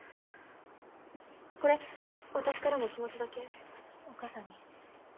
これ私からも気持ちだけお母さんに。